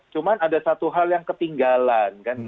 cuma ada satu hal yang ketinggalan